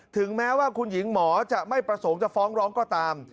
ถึงแม้ว่าคุณหญิงหมอจะไม่ประสงค์จะฟ้องร้องก็ตาม